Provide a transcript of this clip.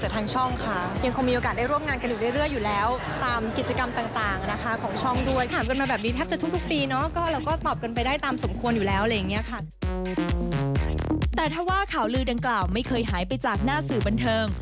แต่ถ้าว่าข่าวลือดังกล่าวไม่เคยหายไปจากหน้าสื่อบันเทิง